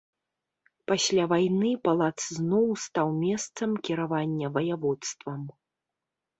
Пасля вайны палац зноў стаў месцам кіравання ваяводствам.